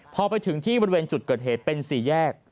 พอไปถึงที่บริเวณจุดเกิดเหตุเป็นสี่แยก